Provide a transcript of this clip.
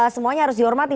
semuanya harus dihormati